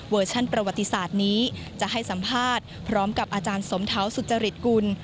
ประวัติศาสตร์นี้จะให้สัมภาษณ์พร้อมกับอาจารย์สมเท้าสุจริตกุล